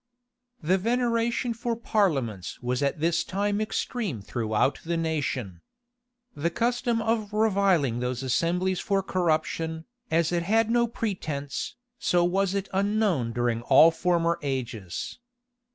The veneration for parliaments was at this time extreme throughout the nation.[*] The custom of reviling those assemblies for corruption, as it had no pretence, so was it unknown during all former ages.